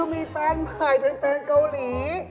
มีแฟนใหม่เป็นแฟนเกาหลี